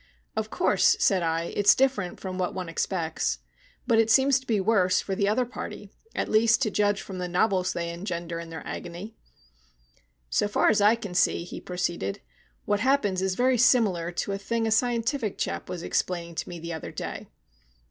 "Of course," said I, "it's different from what one expects. But it seems to be worse for the other party. At least to judge from the novels they engender in their agony." "So far as I can see," he proceeded, "what happens is very similar to a thing a scientific chap was explaining to me the other day.